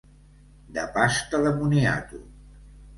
De pasta de moniato.